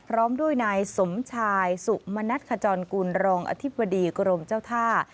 พร้อมด้วยนายสมชายสุมณัฐขจรกุลรองอธิบดีกรมเจ้าท่า